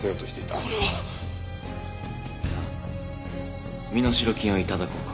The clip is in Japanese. これは！？さあ身代金を頂こうか。